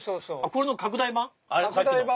これの拡大版？